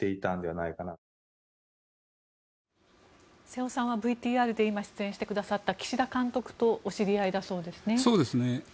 瀬尾さんは今、ＶＴＲで出演してくださった岸田監督とお知り合いだそうですね。